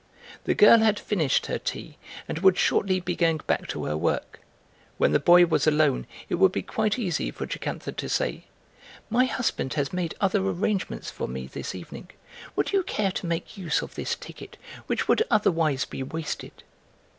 The girl had finished her tea and would shortly be going back to her work; when the boy was alone it would be quite easy for Jocantha to say: "My husband has made other arrangements for me this evening; would you care to make use of this ticket, which would otherwise be wasted?"